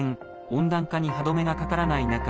温暖化に歯止めがかからない中